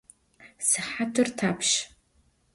Sıhatır txapş?